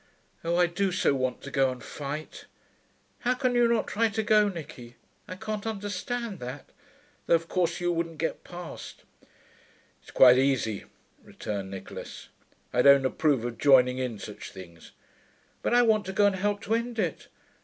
Oh, I do so want to go and fight.... How can you not try to go, Nicky? I can't understand that. Though of course you wouldn't get passed. 'It's quite easy,' returned Nicholas. 'I don't approve of joining in such things.' 'But I want to go and help to end it....